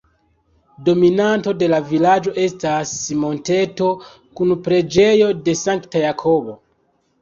Dominanto de la vilaĝo estas monteto kun preĝejo de Sankta Jakobo.